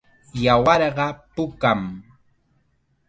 Yawarqa pukam.